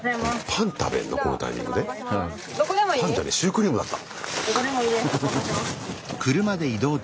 パンじゃねえシュークリームだった。